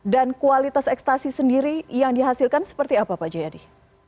dan kualitas ekstasi sendiri yang dihasilkan seperti apa pak jayadi